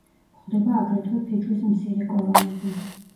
გვხვდება აგრეთვე ფიჭვის მცირე კორომები.